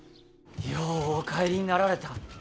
ようお帰りになられた。